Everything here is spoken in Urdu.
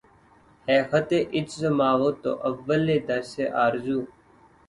ہے خطِ عجز مَاو تُو اَوّلِ درسِ آرزو